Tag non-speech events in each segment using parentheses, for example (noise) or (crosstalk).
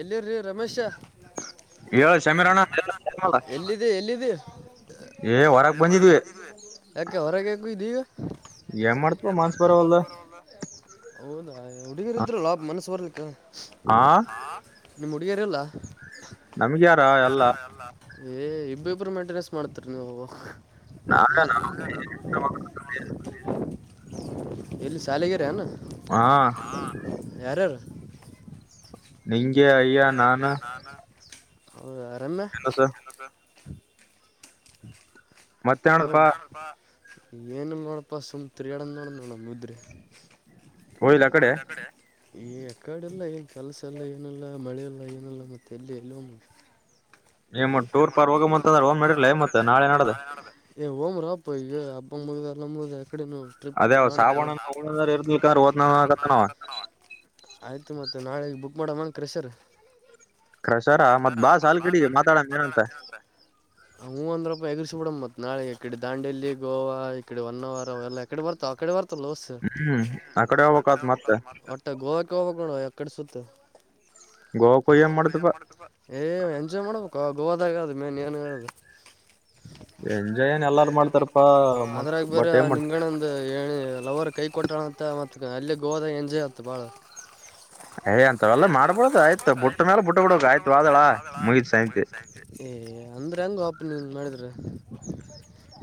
ಎಲ್ಲಿರ್ರಿ ರಮೇಶ (inaudible) ಎಲ್ಲಿದೆ ಎಲ್ಲಿದೆ ಹೊರ ಬಂದಿದ್ವಿ ಯಾಕೆ ಹೊರಗೆ ಇದ್ದಿವಿ.. ಏನ್ ಮಾಡ್ತವ ಮಾನ್ಸ್ ಬರವಲ್ಲ.. ಹೌದಾ ಹುಡುಗಿರ ಇದ್ರು ಲಾಭ ಮನಸ್ಸು ಬರ್ಲಿಕ್ಕೆ.. ನಿಮ್ಮ ಹುಡುಗಿಯಾರ ಇಲ್ಲ.. ನಮ್ಗ ಯಾರ ಎಲ್ಲ.. ಏ ಇಬ್ಬ ಇಬ್ಬರು ಮೇಂಟೆನೆನ್ಸ್ ಮಾಡ್ತರಿ ನೀವು.. ಹ ಎಲ್ಲಿ.. ತಾಲಿಗೆರೆ.. ಹಾ ನಿಂಗೆ ಅಯ್ಯ ನಾನು ಹೌದ ಆರಾಮ ನಿಡಪಾ.. ಏನ ನೋಡಪ್ಪ ಸುಮ್ ತಿರಿಗಾಡ.. ನೋಡಣ ನೋಡ ಮುದ್ರಿ ಹಳ್ಳದ ಆ ಕಡೆ.. ಈ ಅ ಕಾಡೆಲ್ಲ ಏನು ಕೆಲಸ ಎಲ್ಲ ಏನಲ್ಲ ಮಳೆಲ್ಲ ಏನಲ್ಲ ಮತ್ತೆ ಎಲ್ಲಿ ಎಲ್ಲ.. ಏ ಟೂರ್ ಪಾರ್ ಹೋಗ ಮ ಅಂದ್ರೆ ಓನ್ ಮಾಡಿರ್ಲ ಮತ್ತೆ ನಾಳೆ ನಡ್ದ.. ಪ್ಪಗ ಅಬ್ಬ ಮು ತರಲ್ಲ.. ಕಡೆ ಟ್ರಿಪ್.. ಆಯ್ತು ಮತ್ತು ನಾಳೆ ಬುಕ್ ಮಾಡಮ್ಮ ರಿಸೆರ್.. ಕ್ರಷರ ಮತ್ ಬಾ ಹಲ್ ಕಡೆಗೆ ಮಾತಾಡ.. ಹ ಅಂದ್ರ.. ಎಗರುರಿಸಿೂಡ ಮತ್ತ ನಳೆ ಇಡೆ ದಾ ಡೆಲ್ಲಿ ಗೋವಾ ಇಡೆ ಒನ್ನವರ ಎಲ್ಲ ಎಡೆ ಬತಾವ ಅಡೆ ಬರ್ತ ಲ ಒಟ್ಟ ಗೋವಾಕ್ಕೆ ಹೋಗಬೇಕ ಎಕಡೆ ಸುತ್ತ.. ಮಾಡ ಎಂಜ ಮಾಡ.. ಹ ಗೋದಾಗದು ಮ್ಯಾನ್ ಏನ್ ಹೇಳದು.. ಅದ್ರಾಗ ಬರ ನಿನ್ಗಣ ಒಂದ ಏ.. ಲವರ್ ಕೈ ಕೊಟ್ಟಣಂತ ಮತ್ತ ಅಲ್ಲೇ ಗೋದಾಗ ಎಂಜಾಯ್ ಆತ ಬಹಳ.. ಯ್ ಅಂತ ಎಲ್ಲಾ ಮಾಡ್ಬಡ್ದದು ಆಯ್ತು ಬುಟ್ಟ ಮೇಲೆ ಬ ಬಿಟ್ಟ ಬಿಡಬೇಕಕ್ ಆಯ್ತು ವಾದಳ ಮುಯತು.. ಮುಗಿತಾ ಸ ಏ ಅಂದ್ರೆ ಹೆಂಗ ಓಪನಿಂಗ್ ಮಾಡಿದ್ರ..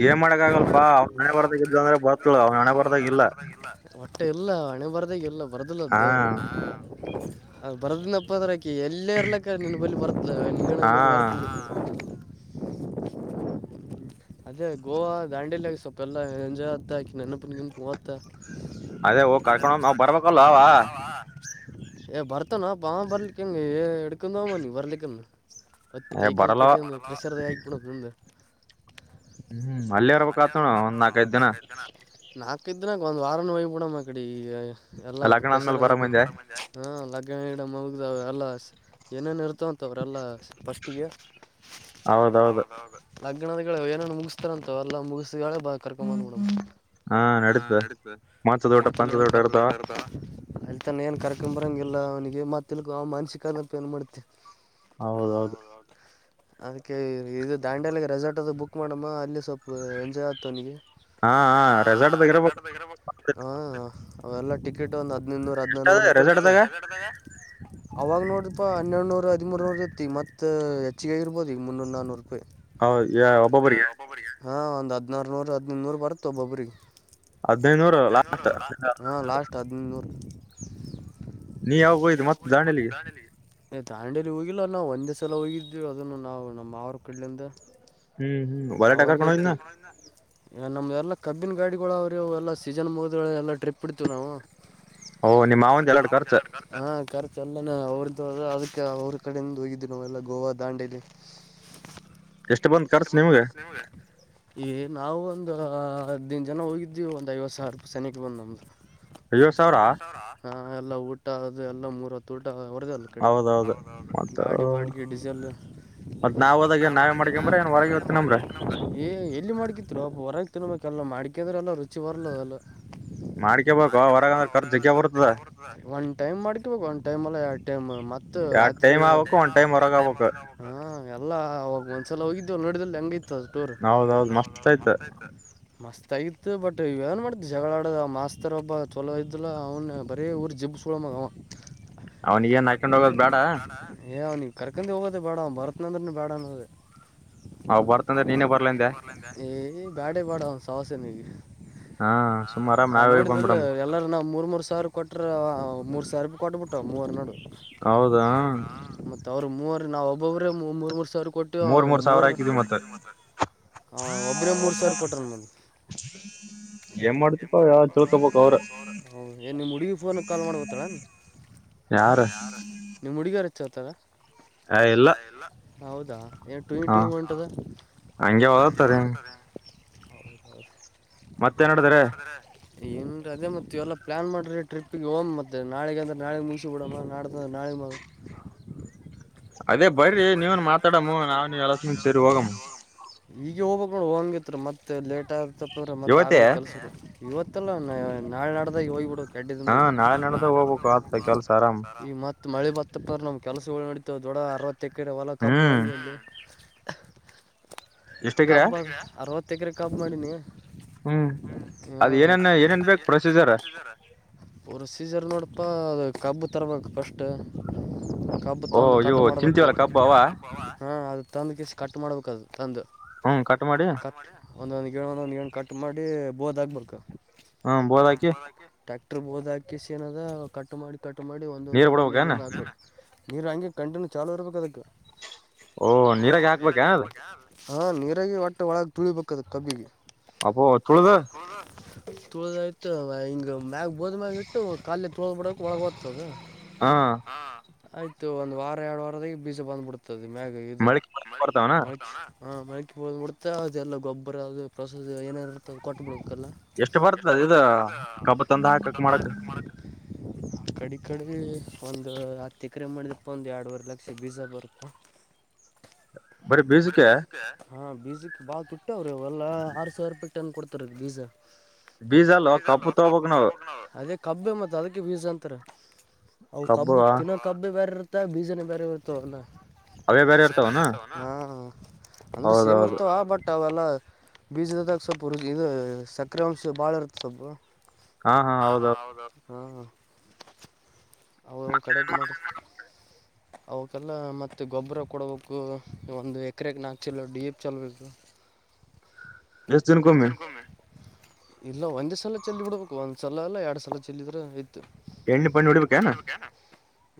ಏನ್ ಮಾಡಕ್ ಆಗಲ್ಪಾ ಅವ್ನ ಹಣೆ ಬರ್ದಾಗ ಇದ್ದು ಅಂದ್ರೆ ಬರ್ತಳು ಅವನ ಹಣೆ ಬರ್ದಾಗ ಇಲ್ಲ.. ಅಷ್ಟ ಎಲ್ಲ ಹಣೆ ಬರ್ದ ಎಲ್ಲ ಬರ್ದಿಲ್ಲ ದೇವ್ರ ಅ ಬರ್ದನಪ್ಪ ಅ್ರ.. ಎಲ್ಲ ಇರಲ್ಲಕ್ಕ ನಿ ಬ ಬರ್ತ. ಬ (unintelligible) ಅದೇ ಗೋವಾ ದಾಂಡಿಲ್ಯಾಗ ಸ್ವಪ ಎಲ್ಲಾ ಎಂಜ್ ಆತ ಹಾ (inaudible) (inaudible) ಪತ್ತರ ಏ ಭರ್ತನಾ ಪಾಮ ಬರ್ಲಿಕಂಗ ಎಡುಕಂದಾಮನ್ನಿ ಬರ್ಲಿಕಣ ಮತ್ತೆ ಕೈ ಕಾಲು ಕೆಟ್ಟಿ ಒಂದ ಪ್ರಸರ್ದ ಆಬಡದು ನಿಮ್ದ. ಹ್ಮ್ ಅಲ್ಲೇ ಇರ್ಬೇಕ ಆತಣ ಒಂದ್ ನಾಕೈದ್ ದಿನ. ಇದನಾಕ ಒಂದ್ ವಾರ ವಯ ಬಿೂಡ ಮ ಕಡೆ ಎಲ್ಲಾ ಪ್ರೆಶರ್. ಲಗ್ಗಣ ಗಡ ಮ ಮುಗ್ದ ಎಲ್ಲ ಏನೇನು ಇರ್ತವಂತವರೆಲ್ಲ ಫಸ್ಟಿಗೆ.. ಹೌದೌದು. ಲಗ್ಣದ ಏನನು ಮುಗಸ್ತಾರ ಅಂತ ಎಲ್ಲ ಮುಗಿಸಸ ಬ ಕರ್ಕೊಂಬ್ ನೋಡ (inaudible) ಹಾ ನಡೀತ ಮತ್ತತ (inaudible) ಅಲ್ಲಿತಾನ ಏನ್ ಕರ್ಕೊ್ ಬರಂಗಿಲ್ಲ ಅವನಿಗೆ ಮತ್ತ ತಿಳ್ಕು ಆ ಮಾನಸಿಕಪ ಏನ್ ಮಾಡತಿ. ಹೌದೌದು ಅದಕ್ಕೆ ಇದು ದಾಂಡಾಲಗೆ ರೆಸಾರ್ಟ್ ಅದು ಬುಕ್ ಮಾಡಮ್ಮ ಅಲ್ಲಿ ಸ್ವಲ್ಪ ಎಂಜಾಯ್ ಆಗ್ತವನಿಗೆ. ಹ (inaudible) (unintelligible) ಅವೆಲ್ಲ ಟಿಕೆಟ್ ಒಂದ. ಹದನೂರ ಹದಿನೂರು ರೂಪಾಯಿ ಇರುತ್ತ ಅವಾಗ ನೋಡ್ರಪಾ ಹನ್ನೆಡುನೂರು ಹದಿಮೂರು ನೂರು ಇತ್ತ. ಮತ್ತತ್ ಹೆಚ್ಚಗಾಗಿ ಇರ್ಬಹದು ಈಗ ಮುನ್ನೂರು ನನ್ನೂರು ರೂಪಾಯಿ. ಹೌ ಯ ಒಬ್ಬೊಬ್ಬರಿಗೆ. ಹಾ ಒಂದು ಹದಿನಾರು ನೂರು ಹದಿನೈದು ನೂರು ಬರುತ್ತೆ ಒಬ್ಬ್ರಿಗೆ. ಹದನೂ ಹಾ ಲಾಸ್ಟ್ ಹದಿನನೂರು. ನೀ ಯಾವಾಗ ಹೋಯತು ಮತ್ತತ್ ದಂಡಲಿಗೆ. ಏ ತಾಂಡೇರಿ ಹೋಗಿಲ್ಲ ನಾವು ಒಂದೇ ಸಲ ಹೋಗಿದ್ದೀವಿ ಅದನ್ನು ನಾವು ನಮ್ಮ ಅವ್ರ ಕಡಲಿಂದ. ಆಗ (inaudible) ಎಲ್ಲ ಕಬ್ಬಿನ ಗಾಡಿಗಳು ಅವ್ರ ಎಲ್ಲ ಸೀಜನ್ ಮುಗಿದ ಎಲ್ಲ ಟ್ರಿಪ್ ಇಡ್ತೀವಿ ನಾವು. ಓ ನಿಮ್ಮವಂದ ಎಲ್ಲರಡು ಖರ್ಚ. ಚೆಲ್ಲನ ಅವ್ರದ್ದ ಅದಕ್ಕೆ ಅವ್ರ ಕಡೆಯಿಂದ ಹೋಗಿದ್ದ್ವಿ ನಾವೆಲ್ಲ ಗೋವಾ ದಾಂಡೇಲಿ. ಎ ಬರ್ಗೆ ಈ ನಾವು. ಒಂದು ಹದ ದಿನ ಜನ ಹೋಗಿದೀವಿ ಒಂದ್ ಐವತ್ತು ಸಾವಿ ರೂಾಯಿ ಸನಿ ಬ್ ನಮ್ದ. ಅಯ್ಯೋ ಸಾವರ ಹಾ ಎಲ್ಲ ಊಟ ಅದು ಎಲ್ಲ ಮೂರ ಹತ್ತು ಊಟ ಹೊರದ ಅಲ್ಲ ಕಡೆ. ಗಾಡಿ ಬಾಡಿಗೆ ಡೀಜಲ್. ಮ ನಾವ್ದಾಗ ನಾ ಮಾಡ್ಕಂಬ್ರ ಎಲ್ಲಿ ಮಾಡ್ಕಿತ್ತು. (inaudible) ಪ್ ಹೊರಗ್ತ ಮ ಎಲ್ಲಾ ಮಾಡಿಕಕಿದ್ರೆ ಎಲ್ಲ ರುಚಿ ಬರ್ಲ್ಲದ ಅಲ್ಲ. ಮಾಡ್ಕ ಬ ಹೊರಗ ಅಂದ್ರೆ ಕರ್ ಜಗ ಬರ್ತದ. ಟೈಮ್ ಮಾಡ್ಕೊಬೇಕು ಒಂದು ಟೈಮ ಅಲ್ಲ ಟೈಮ್ ಮತ್ತ. ಹ ಎಲ್ಲಾ ಅವಾಗ ಒಂದ್ಸಲ ಹೋಗಿದ್ದೆ ಒ ನೋಡಿದಲ್ಲಿ ಹೆಂಗತಿ. ಇ ಟೂರ್ ಮತ್. ತಗತ್ ಬಟ್ ಇವ ಏನ್ ಮಾಡ್ತ ಜಗಳಾಡ ಮಾಸ್ತರ್ ಒಬ್ಬ ಚೊಲೋ ಇದ್ದಾ ಅವ್ನ ಬರೀ ಊರು ಜಿಬ್ಸ್ಕಳ ಮಗ ಅವ. ಅವನಿಗೇನ್ ಹಾಕೊಂಡ್ ಹೋಗೋದ್ ಬೇಡ ಯ್ ನೀ ಕರ್ಕೊಂಡ ಹೋಗೋದ ಬೇಡ ಅವ ಬರತ್ನ ಅಂದ್ರನು ಬೇಡ ಅನ್ನೋದು. ಏ ಬ್ಯಾಡ ಬಾಡ ಅವನ್ ಸವಾಸ್ಯನ. ನಾ ನೋಡಿದ್ಲ್ ಎಲ್ಲರ ನಾವ ಮೂರ್. ಮೂರ್ ಸಾವಿರ ಕೊಟ್ರ ಮೂರ್ ಸಾವಿರ ಬಿ ಕೊಟ್ಬಿಟ್ಟು ಮೂವರ್ ನೋಡು. ಹೌದಾ. ಅವರು ಮೂವರು ನಾವವು ಒಬ್ಬೊಬ್್ರ ಮೂರ್ ಮೂರು ಸಾವಿ ಕೊಟ್ಟು ಮೂ. ಹಾ ಒಬ್ಬನೇ ಮೂರು ಸಾವಿರ ಕೊಟ ಮನ್. ಏನ್ ಮಾಡ. ಏ ನಿಮ್ಮ ಹುಡುಗಿ ಫೋನ ಕಾಲ್ ಮಾಡ್ ಗೊತ್ತಾಳ. ಯಾರ (unintelligible) ಹಾ ಇಲ್ಲಾ ಹೌದಾ ಏನ್ ಟೂಯಿ ಟೂಯ ಹೊಂಟದ ಮತ್ತೇನ್ ನಡದದ್ರಿ ಏನ್ ಅದೇ ಮತ್ತೆವೆಲ್ಲ ಪ್ಲಾನ್ ಮಾಡಿರಿ ಟ್ರಿಪ್ಪಿಗೆ ಹೋಗ್ ಮತ್ತ ನಾಳಿಗ ಅಂದ್ರೆ ನಾಳಿಗ ಮುಗಿಸಿ ಬಿಡಮ್ಮ ನಾಡದ ಅಂದ್ರ ನಾಳೆ ಮ ಅದೇ ಬರ್ರಿ ನೀವನ್ ಮಾತಾಡಮ್ಮ ನಾವ್ ನೀವು ಎಲ ಸೇರಿ ಹೋಗಮ್ಮ ಈಗ ಹೋಗ್ಬೇಕ ಹೋಗಂಗಿದ್ರ ಮತ್ತೆ ಲೇಟ್ ಆತಪ್ಪ ಮತ್ತ ಆಗಲ ಕೆಲ್ಸ ಇದು ಇವತ್ತಲ್ಲ ನಾಳೆ ನಾಡ್ದಾಗೆ ಹೋಗ್ಬಿಡುದ ಹಾ ನಾಳೆ ನಡ್ದಾಗ ಹೋಗ್ಬೇಕು ಆತ ಕೆಲ್ಸ ಆರಾಮ್. ಮ ಮಳೆ ಬತ್ತಪ್ಪ ನಮ್ ಕೆಲಸಗಳು ನಡೀತಾವ ದೊಡ್ಡ ಅರವತ್ತ ಎಕರೆ ಹೊಲ ಕಬ್ಬ ಮಾಡಿ ಒಂದು. ಕಬ್ಬ ಅರವತ್ತ ಎಕರೆ ಕಬ್ ಮಾಡಿನಿ ಹ್ಮ್ ಅದ್ ಏನನ್ ಏನೇನ್ ಬೇಕು ಪ್ರೊಸೀಜರ್ ಅಪ್ಪ ಅದು ಕಬ್ಬು ತರ್ಬೇಕು ಫಸ್ಟು ಕಬ್ಬ ತಂದು ಕಟ್ ಮಾಡ್ಬೇಕು ಹಾ ಅದ ತಂದ ಕ ಕಟ್ ಮಾಡ್ಬೇಕು ಅದು ತಂದು ಒಂದೊಂದ ಒಂದೊಂದ್ ಗೇನ್ ಕಟ್ ಮಾಡಿ ಬೋದ ಹಾಕ್ಬೇಕ ಹ್ಮ ಬೋಲ ಹಾಕಿ ಟ್ರ್ಯಾಕ್ಟರ್ ಬೋದ ಹಾಕಿಸಿ ಏನ ಅದ ಕಟ್ ಮಾಡಿ ಕಟ್ ಮಾಡಿ ಒಂದೊಂದಂದ ನೀರು ಹಂಗೆ ಕಂಟಿನ್ಯೂವ ಚಾಲೊ ಇರಬೇಕ ಅದಕ್ಕ ಓಹ ನೀರಾಗ ಹಾಕ್ಬೇಕದ ಹಾ ನೀರಾಗಿ ಒಟ್ಟೆ ಒಳಗ ತುಳಿಬೇಕದ ಕಬ್ಬಿಗೆ ತುಳುದ್ ಆಯ್ತು ಇದ ಬೋಧ ಮ್ಯಾಗ್ ಇಟ್ಟು ಕಾಲಿಲೇ ತುಳದ ಬಿಡದು ಒಳಗೆ ಹೋಗ್ತದ ಆಯ್ತು ಒಂದ್ ವಾರ ಎರಡ್ ವಾರದ ಬೀಜ ಬಂದ್ಬಿಡ್ತದೆ ಮ್ಯಾಗ ಇದು (inaudible) ಮಳಿಕೆ ಹಾ ಮಳಕಿ ಹ ಬಂದಬೀಡತ ಅದೆಲ್ಲ ಗೊಬ್ಬರ ಅದು ಪ್ರೊಸೀಜರ್ ಏನೇನರ್ತ ಕೊಟ್ಟಬಿಡ ಲ್ಲ ಎಷ್ಟು ಬರ್ತದ ಇದ ಕಬ್ಬ ತಂದ ಹಾಕಾಕ್ ಮಾಡಾಕ ಕಡಿ ಕಡಿಮಿ ಒಂದು ಹತ್ತ ಎಕ್ರ ಮಾಡಿದಪ್ಪ ಒಂದು ಎರಡುವರೆ ಲಕ್ಷ ಬೀಸಾ ಬರುತ್ತ ಬರೇ ಬಿಜಕೇ ಬೀಜಕ್ಕೆ ಬಾ ತುಟ್ಟಿ ಅವ್ರು ಎಲ್ಲ ಆರು ಸಾವಿರ ರೂಪಾಯಿ ಟನ್ ಕೊಡ್ತಾರೆ ಬೀಜಾ ಬೀಜ ಅಲ್ ಕಪ್ಪು ತಗೋಬೇಕ್ ನಾವು ಕಬ್ಬೆ ಮತ್ತುತ್ತ ಅದಕ್ಕೆ ಬೀಜ ಅಂತಾರೆ ಅವು ಕಬ್ಬಕ್ಕೆ ತಿನ್ನೋ ಕಬ್ಬ ಬೇರೆ ಇರತ್ತ ಮತ್ತ ಬೀಜನ ಬೇರೆ ಇರ್ತಲ್ಲಣ್ ಅವೆ ಬ್ಯಾರಿ ಇರುತ್ತವನ್ ಹಾ ಅಂದ್ರೆ ಸೇಮ್ ಇರ್ತವ ಬಟ್ ಬಟ್ ಅವೆಲ್ಲ ಬೀಜದದಾಗ ಸ್ವಲ್ಪ ಹ ಇದ ಸಕ್ರೆ ಅಂಶ ಬಾಳ ಇರುತ್ತ ಸ್ವಲ್ಪ ಹಾ ಹಾ ಹೌದೌದು ಹಾ ಅವ ಕಡೆಗೆ ಮಾಡ (unintelligible) ಅವಕಲ್ಲ ಮತ್ತೆ ಗೊಬ್ಬರ ಕೊಡಬೇಕು ಒಂದು ಎಕರೆಕ್ ನಾಲ್ಕು ಚೀಲ ಡಿಎಪಿ ಚಲ್ಬೇಕು. ಎಷ್ಟ ದಿನ ಕೋಮೆ ಇಲ್ಲ ಒಂದೇ ಸಲ ಚಲ್ಲಿ ಬಿಡ್ಬೇಕು ಒಂದ್ ಸಲ ಅಲ್ಲ ಎರಡ್ ಸಲ ಚೆಲ್ಲಿದ್ರ ಆಯತ್ ಎಣ್ಣೆ ಪನ್ನಿ ಹೊಡಿಬೇಕೇನ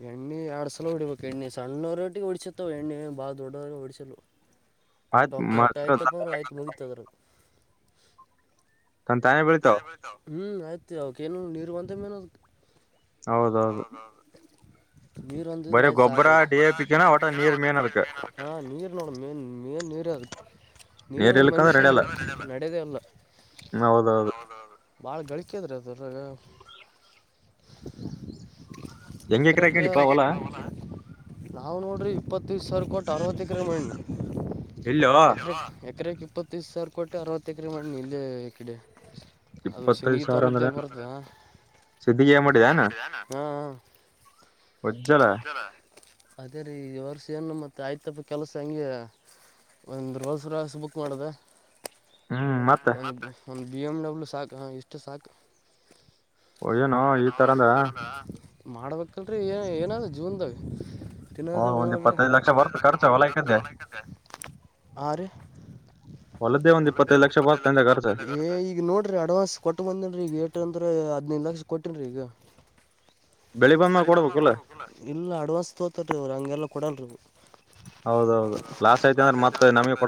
ಎಣ್ಣೆ ಎರಡ್ ಸಲ ಹೊಡಿಬೇಕು ಎಣ್ಣೆ ಸಣ್ಣವ ಇರೋ ಟ್ಟಿಗೆ ಹೊಡಿಸತ್ತಾವ ಎಣ್ಣೆ ಬಾಳ ದೊಡ್ಡವ ಹೊಡಿಸಲು ಟೋಕಟ ಆಯ್ತಪ್ಪ ಅಂದ್ರ ಆಯ್ತು ಮುಗಿತದರು ಹ್ಮ್ ಆಯ್ತು ಅವಕ ಏನು ನೀರು ಒಂದ ಮೇನು ಹೌದೌದು ನೀರ್ ಒಂದಿದ್ರೆ ಆಯಿತು ಸಾಕ ಬರೆ ಗೊಬ್ರ ಡಿಎಪಿ ನೀರ್ ಮೇನ್ ಅದಕ್ಕ ಆ ನೀರ ನೋಡ್ ಮೇನ್ ಮೇನ್ ನೀರ ನೀರ ಮನುಷ್ಯ ನೀರಲ್ಕ ನಡೆದೇ ಇಲ್ಲ ನಡೆದ ಅಲ್ಲ ಹೌದು ಹೌದು ಬಾಳ್ ಗಳಿಕೆದ್ರ ಅದ್ರಗ ಎಕರೆಕ (unintelligible) ನಾವು ನೋಡ್ರಿ ಇಪ್ಪತ್ತು ಹತ್ತು ಸರ್ ಕೊಟ್ಟ ಅರವತ್ತು ಎಕರೆ ಮಾಡಿನ್ ಎಲ್ಲಿಯೋ ಎಕರೆ ಎಕರೆ ಇಪ್ಪತ್ತೈದು ಸಾವಿರ ಕೊಟ್ಟಿ ಅರವತ್ತು ಎಕರೆ ಮಾಡಿ ಇಲೇ ಈ ಕಡೆ ಇಪ್ಪತ್ತೈದು ಸಾವಿರ ಅಂದ್ರ ಏನ ಶೆತಿಗಿಯ ಮಾಡಿಯೆನ್. ಹ್ಮ ಹ್ಮ್ಮ್ ಪಂಚರ್. ಅದೇ ರೀ ಈ ವರ್ಷ ಏನು ಮತ್ತ ಆಯ್ತಪ್ಪ ಕೆಲಸ ಹೆಂಗೆ. ಒಂದ್ ರೋಸ್ ರೋಸ್ ಬುಕ್ ಮಾಡದ. ಹ್ಮ್ ಮತ್ತ. ಒಂದ ಬಿ ಎಮ್ ಡಬ್ಲ್ಯೂ ಸಾಕು ಇಷ್ಟು ಸಾಕ. ಒಳೆ ನೋ ಈ ತರ ಅಂದ. ಮಾಡ್ಬೇಕಲ್ರರಿ ಏ ಏನಾದ ಜೀವನ್ದಾಗ. ತಿನ್ನೋದು ಉಣದು ಇಪ್ಪ್ತಾಯ್ದ ಲಕ್ಷ ಬರುತ ಕರ್ಚ (unintelligible) ಹ ರೀ. ಹೊಲದ ಒಂದ ಇಪ್ಪತ್ತಐದ ಲಕ್ಷ ಬಂತ ಅಂದರ್ ಏ ಈಗ ನೋಡ್ರಿ ಅಡ್ವಾನ್ಸ್ ಕೊಟ್ಟ ಬಂದೆನ್ರಿ ಈಗ್ ಏಟ ಏನ್. ಅಂದ್ರ ಹದಿನೈದ ಲಕ್ಷ ಕೋಟೆನ್ರಿ ಈಗ. (unintelligible) ಕೊಡಬೇಕ ಇಲ್ಲ ಇಲ್ಲ ಅಡ್ವಾನ್ಸ್ ತೋತಾರಿ ಅವರ ಹಂಗಯಲ ಕೊಡಲ್ರಿ (unintelligible) ಹೌದ ಹೌದ ಲಾಸ್ ಆಯ್ತಮತ್ತ (unintelligible)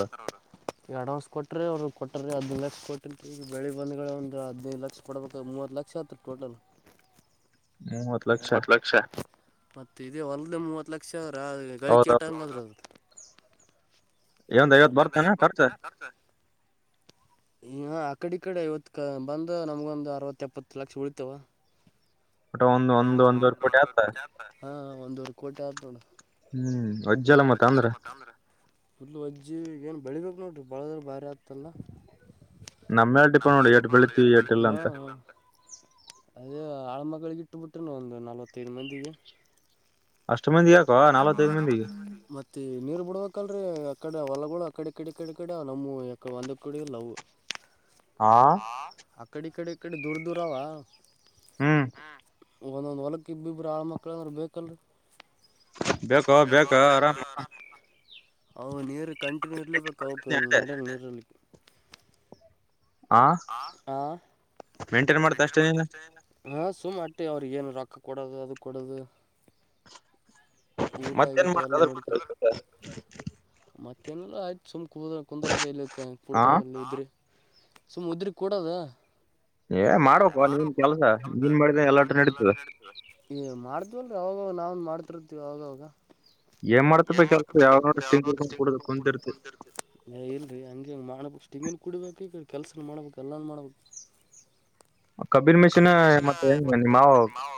ಅಂತರ ಅವರ ಈ ಅಡ್ವಾನ್ಸ್ ಕೊಟ್ರ ಅವರು ಕೊಟಾರಿ ಅದರ (unintelligible) ಕೋಟಿರ್ತೀವಿ ಈಗ ಬೆಳಿ ಬಂದಗಳೇ ಒಂದ ಹದಿನೈದು ಲಕ್ಷ ಕೊಡ್ಬೇಕ ಮೂವತ್ತ ಲಕ್ಷ ಅತ್ರಿ ಟೋಟಲ್. ಮೂವತ್ ಲಕ್ಷ ಮತ್ತ ಇದೆ ಹೊಲ್ದ ಮೂವತ್ ಲಕ್ಷ ಆ ಗಳಿಕೆ ಟೈಮ್ ಅದು. ಇದ ಒಂದ ಐವತ್ತ ಬರುತ್ತ ಏನ ಕರ್ಚ ಹಾ ಆ ಕಡೆ ಕಡೆ ಐವತ್ತ ಬಂದ ನಮ್ಗೊಂದ ಅರವತ್ತ ಎಪ್ಪತ್ತ ಲಕ್ಷ ಉಳಿತವ. ಒಂದ್ ಒಂದ್ ಒಂದ್ ಒಂದುವರಿ ಕೋಟಿ ಆಯ್ತಾ ಲಾ ಹ ಒಂದುವರಿ ಕೋಟಿ ಆಯ್ತ ನೋಡ. ಹ್ಮ್ ವಜ್ಜಲ ಮತ್ತ ಅಂದ್ರ. ಫುಲು ವಜ್ಜಿ ಈಗ ಏನ್ ಬೆಳಿ ಬೇಕ್ ನೋಡ್ರಿ ಬಾಳದ್ರ ಭಾರಿ ಅತಯ್ತಿ ಎಲ್ಲಾ. ನಮ್ಮ (unintelligible) ಹೂ ಅದು ನಾಳ ಮಗಳಿಗೆ ಇಟುಬಿಟೆನು ಒಂದು ನಲವತ್ತೈದ ಮಂದಿಗೆ. ಅಷ್ಟ ಮಂದಿಗೆ ಯಾಕೋ ನಲವತ್ತೈದ ಮಂದಿಗಿ ಮತ್ತ ನೀರ್ ಬಿಡ್ಬೇಕಲ್. ಹೂ ಅ ಕಡೆ ಹೊಲಗೋಳು ಆಕಡೆ ಈಕಡೆ ಕಡೆ ಕಡೆ ಕಡೆ ಅವ ನಮ್ಮ ಯ ಒಂದ ಕಡೆ ಇಲ್ಲ ಅವು. ಹ ಅಕಡಿ ಕಡೆ ಇ ಕಡೆ ದೂರ ದೂರ ಅವ. ಹ್ಮ್. ಒಂದೊಂದು ಹೊಲಕ್ಕ ಇಬ್ಬಿಬ್ಬರು ಆಳ ಮಕ್ಕಳ ಆರ ಬೇಕ ಅಲ್ರೀ. ಬೇಕೋ ಬೇಕಾ ಆರಾಮ. ಅವ್ ನೀರ ಕಂಟಿನ್ಯೂ ಇರ್ಲೇಬೇಕ ಅವಕ ನಡೆ ನೀರ್ ಆ ಆ ಮೆಂಟೇನ್ ಮಾಡ್ತೆ (unintelligible) ಇಲ್ಲ ಹ ಸುಮ್ಮ ಅಷ್ಟೇ ಅವರಿಗಿ ರೋಕ. ಅ ಕೊೂಡದು ಅದು ಕೊೂಡದು. ಊಟ ಗೀಟ ಎಲ್ಲ ನೋಡ್ಕ ಮತ್ತೇನಲ್ಲ ಆಯ್ತು ಸುಮ್. ಕು ಕುಂದರೋದ ಇಲ್ಲಿತ್ತ ಕುಡ್ತ ಉದ್ರಿ ಸುಮ್ಮ್ ಉದ್ರಿ ಕೂಡದ. ಏ ಮಾಡ್ಬೇಕೊ ನಿಂದ ಕೆಲಸ ಹಿಂಗ ಮಾಡಿದ್ರೆ ಎಲ್ಲಾ (unintelligible) ಏ ಮಾಡ್ತೀವಿ ಅಲೋ ಅವಾಗಾಗ ನಾವಂದ ಮಾಡ್ತಿರ್ತತಿೀವಿ ಅವಾಗವಾಗ. ಎ ಏನ್ ಮಾಡ್ತಿ ಅಪ್ಪ ಕೆಲಸ ಯಾವಾಗ ನೋಡಿದ್ರು (unintelligible) ಹಿಂಡ್ ಕೊಂಡ ಕುಂತೀರ್ತಿ ಅಲ್ಲ ಯ ಇಲ್ರಿ ಹಂಗ ಹೆಂಗ ಮಾಡ ಬೇಕ್ (unintelligible) ಕುಡಿಬೇಕು ಈ ಕಡಿ ಕೆಲಸನು ಮಾಡ್ಬೇಕು ಎಲ್ಲಾನ ಮಾಡಬೇಕ. ಕಬ್ಬಿನ ಮಷೀನ್ ಮತ್ತ ಏನ ನಿಮ್ ಮಾವ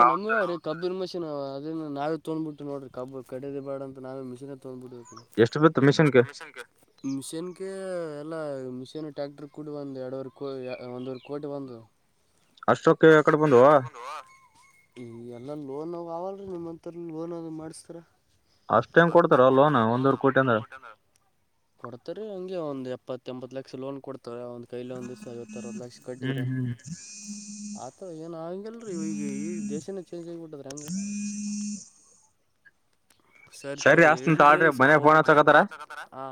ಎ ನಮ್ಮ ವ್ಯವಹಾರ ರಿ ಕಬ್ಬಿನ ಮಷೀನ್. ಅದನ್ನ ನಾವೇ ತೊಂದ್ಬಿಟ್ಟು ನೋಡ್ರಿ ಕಬ್ಬ್ ಕಡಿದ ಬ್ಯಾಡ ಅಂತ ನವ ಮಷೀನ್. ಹೌದು ಬಿಡ ಎಷ್ಟು ಬಿತ್ತು ಮಷಿನ್ಕ ಮಷೀನ್ ಕ ಎಲ್ಲಾ ಮಿಷೀನ್ ಟ್ಯಾಕ್ಟರ್ ಕೂಡಿ ಒಂದ ಎರಡವರೆ ಕೋಟಿ ಒಂದವರೆ ಕೋಟಿ ಬಂದದ. ಅಷ್ಟ ರೊಕ್ಕ ಎಕ್ಕಡಿ ಬಂದುವೋ ಈ ಯ ಇಲ್ಲ ಲೋನ್ ಅವಲ್ರಿ ನಿಮ್ಮ್ಂತರ ಲೋನ್ ಅದು ಮಾಡ್ಸ್ತಾರ. ಅಷ್ಟ್ ಏನ್ ಕೊಡ್ತಾರೊ ಲೋನ್ ಒಂದೂವರೆಕೋಟಿ ಅಂದ್ರೆ ಕೊಡ್ತಾರೆ ಹಂಗೆ ಒಂದ್ ಎಪ್ಪತ್ತ. ಇತ್ತ ಎಂಬತ್ತು ಲಕ್ಷ ಲೋನ್ ಕೊಡ್ತಾರ ಒಂದ್ ಕೈಲ ಒಂದ ದಿವ್ಸ ಐವತ್ತ ಅರವತ್ತು ಲಕ್ಷ ಕಟ್ಟಿದ್ರ ಹ್ಮ್. ಆತ ಏನ್ ಹಂಗಂಗಿಲ್ರಿ ಈಗ್ ಈಗ ದೇಶನೇ ಚೇಂಜ್ ಆಗಿಬಿಟ್ಟದ್ರ ಹಂಗ. ಸರಿತೋರಿ ಹೇಳ್ರಿ ಫೋನ್ ಹಚ್ಚಕತರ ಆ.